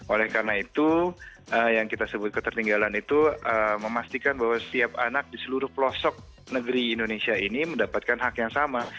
oleh karena itu yang kita sebut ketertinggalan itu memastikan bahwa setiap anak di seluruh pelosok negeri indonesia ini mendapatkan hak yang sama